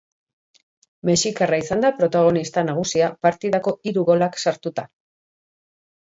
Mexikarra izan da protagonista nagusia partidako hiru golak sartuta.